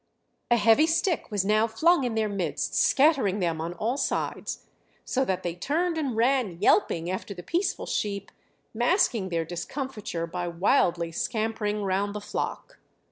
A heavy stick was now flung in their midst scattering them on all sides, so that they turned and ran yelping after the peaceful sheep, masking their discomfiture by wildly scampering round the flock.